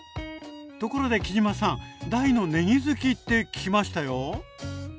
ところで杵島さん大のねぎ好きって聞きましたよ？